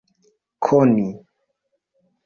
koni